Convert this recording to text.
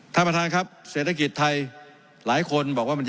ท่านประธานครับเศรษฐกิจไทยหลายคนบอกว่ามันจะ